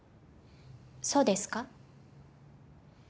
そうですか？